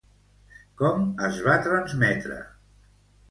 Com es va transmetre?